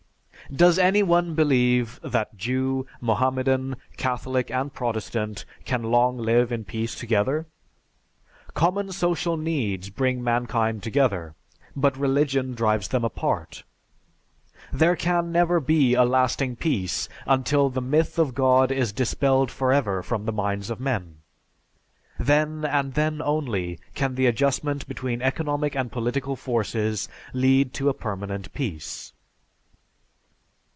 Does any one believe that Jew, Mohammedan, Catholic, and Protestant can long live in peace together? Common social needs bring mankind together but religion drives them apart. There can never be a lasting peace until the myth of God is dispelled forever from the minds of men. Then and then only, can the adjustment between economic and political forces lead to a permanent peace.